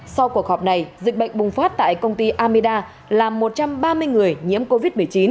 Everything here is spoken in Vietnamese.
sau cuộc họp này dịch bệnh bùng phát tại công ty amida làm một trăm ba mươi người nhiễm covid một mươi chín